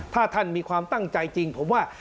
ถ้าท่านมีความตั้งใจจริงผมว่า